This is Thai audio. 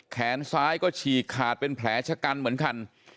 แขนซ้ายก็ฉีกขาดเป็นแผลชะกันเหมือนกัน